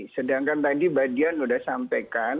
sedangkan tadi mbak dian sudah sampaikan